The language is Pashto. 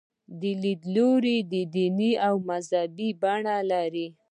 دا لیدلوری دیني او مذهبي بڼه لري.